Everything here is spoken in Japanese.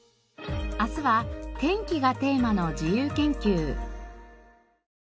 明日は天気がテーマの自由研究。